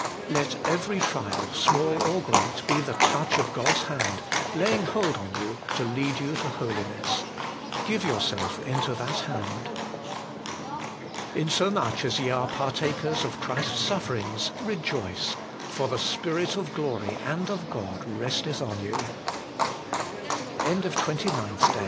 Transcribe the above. Let every trial, small or great, be the touch of God's hand, laying hold on you, to lead you to holiness. Give yourself into that hand. 4. 'Insomuch as ye are partakers of Christ's sufferings, rejoice ; for the Spirit of glory and of G